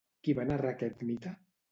Qui va narrar aquest mite?